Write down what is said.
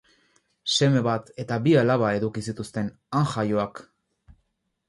Seme bat eta bi alaba eduki zituzten, han jaioak.